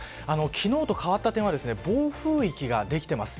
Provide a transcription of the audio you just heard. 昨日と変わった点は暴風域ができています。